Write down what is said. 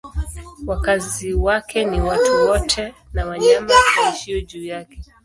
Wakazi wake ni watu wote na wanyama waishio juu yake.